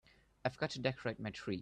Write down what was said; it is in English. I've got to decorate my tree.